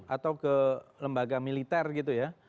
atau ke lembaga militer gitu ya